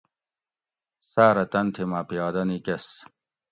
ساۤرہ تن تھی مہ پیادہ نِکس